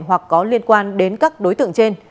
hoặc có liên quan đến các đối tượng trên